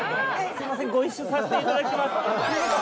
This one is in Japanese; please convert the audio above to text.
すいませんご一緒させて頂きます。